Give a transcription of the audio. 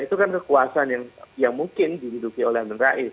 itu kan kekuasaan yang mungkin dihidupi oleh amin rais